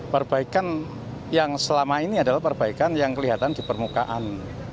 perbaikan yang selama ini adalah perbaikan yang kelihatan di permukaan